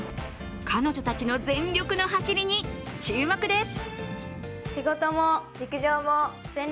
彼女たちの全力の走りに注目です。